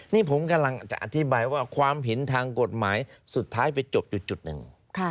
นี่ผมกำลังจะอธิบายว่าความเห็นทางกฎหมายสุดท้ายไปจบอยู่จุดหนึ่ง